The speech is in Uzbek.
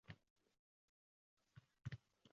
Jamoalar shahar hokimi kubogi uchun bellashdi